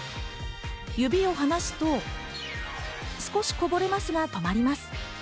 指を離すと少しこぼれますが、止まります。